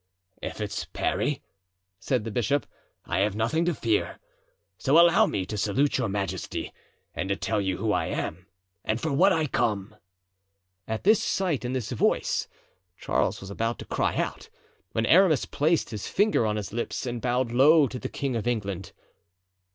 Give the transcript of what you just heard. "If it's Parry," said the bishop, "I have nothing to fear; so allow me to salute your majesty and to tell you who I am and for what I am come." At this sight and this voice Charles was about to cry out, when Aramis placed his finger on his lips and bowed low to the king of England.